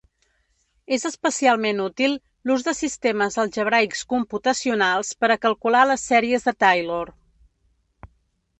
És especialment útil l'ús de sistemes algebraics computacionals per a calcular les sèries de Taylor.